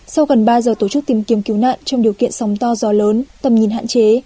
sau gần ba giờ tổ chức tìm kiếm cứu nạn trong điều kiện sóng to gió lớn tầm nhìn hạn chế